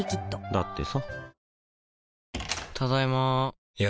だってさ